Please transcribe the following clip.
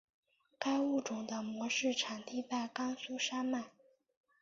该物种的模式产地在甘肃山脉。